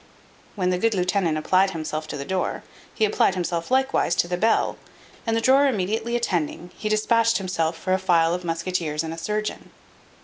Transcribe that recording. When the good lieutenant applied himself to the door, he applied himself likewise to the bell; and the drawer immediately attending, he dispatched him for a file of musqueteers and a surgeon.